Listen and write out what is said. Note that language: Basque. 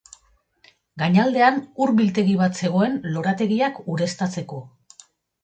Gainaldean ur-biltegi bat zegoen lorategiak ureztatzeko.